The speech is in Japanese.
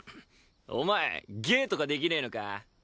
お前芸とかできねえのか？